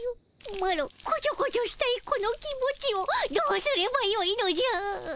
マロこちょこちょしたいこの気持ちをどうすればよいのじゃ。